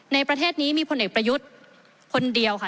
ในประเทศนี้มีผลเอกประยุทธ์คนเดียวค่ะ